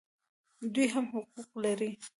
دوی هم حقوق لري